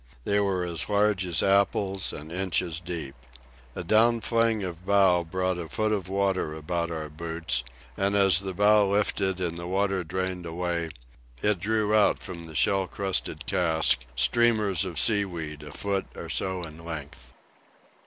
They were as large as apples and inches deep. A down fling of bow brought a foot of water about our boots; and as the bow lifted and the water drained away, it drew out from the shell crusted cask streamers of seaweed a foot or so in length.